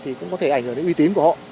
thì cũng có thể ảnh hưởng đến uy tín của họ